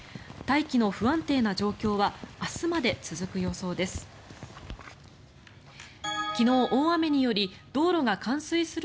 大気の不安定な状況は明日まで続く予想です。